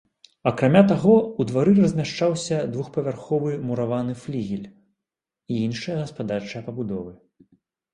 Акрамя таго, у двары размяшчаўся двухпавярховы мураваны флігель і іншыя гаспадарчыя пабудовы.